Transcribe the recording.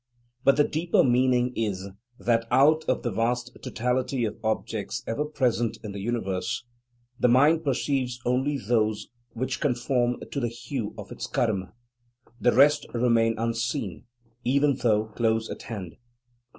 But the deeper meaning is, that out of the vast totality of objects ever present in the universe, the mind perceives only those which conform to the hue of its Karma. The rest remain unseen, even though close at hand.